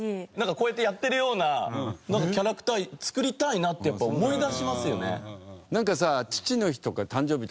こうやってやってるようななんかキャラクター作りたいなってやっぱ思いだしますよね。